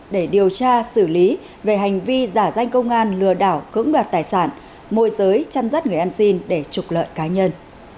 để điều tra xử lý về hành vi giả danh công an lừa đảo cưỡng đoạt tài sản môi giới chăn rắt người ăn xin để trục lợi cá nhân